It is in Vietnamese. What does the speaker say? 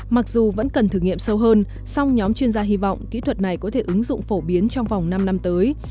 mặc dù vẫn cần thử nghiệm sâu hơn song nhóm chuyên gia hy vọng kỹ thuật này có thể ứng dụng phổ biến trong vòng năm năm tới